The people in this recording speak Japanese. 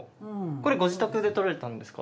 これご自宅で採られたんですか？